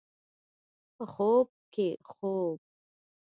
په خوب کې خوب